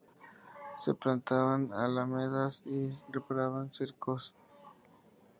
Se plantaban alamedas y se reparaban cercos.